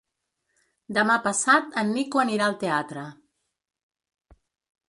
Demà passat en Nico anirà al teatre.